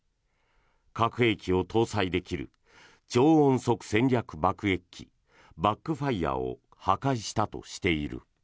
核兵器を搭載できる超音速戦略爆撃機バックファイアを破壊したとしている。